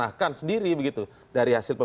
jadi kalau kita menilainya kita harus menilainya ya